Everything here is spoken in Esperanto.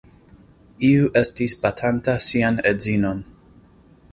Iu estis batanta sian edzinon.